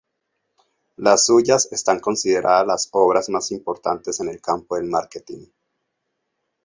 Las suyas están consideradas las obras más importantes en el campo del marketing.